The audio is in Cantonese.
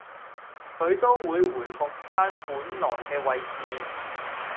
佢都會回復返本來嘅位置